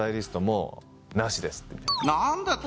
何だと？